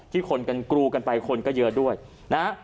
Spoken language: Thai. คนกันกรูกันไปคนก็เยอะด้วยนะฮะ